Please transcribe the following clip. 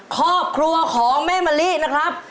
ครอบครัวของแม่มะลินะครับ